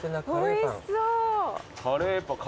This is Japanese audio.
おいしそう。